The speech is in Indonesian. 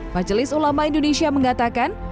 majelis ulama indonesia mengatakan